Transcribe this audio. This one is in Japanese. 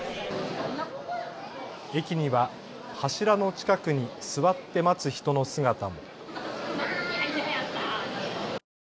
駅には柱の近くに座って待つ人の姿も。